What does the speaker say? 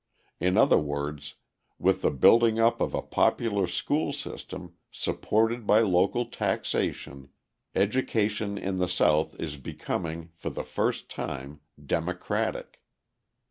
In other words, with the building up of a popular school system, supported by local taxation, education in the South is becoming, for the first time, democratic.